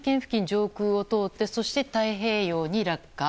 上空を通ってそして太平洋に落下。